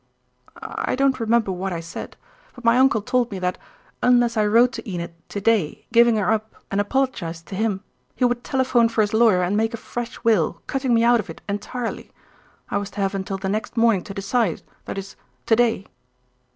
"I don't remember what I said; but my uncle told me that, unless I wrote to Enid to day giving her up and apologised to him, he would telephone for his lawyer and make a fresh will, cutting me out of it entirely. I was to have until the next morning to decide, that is, to day."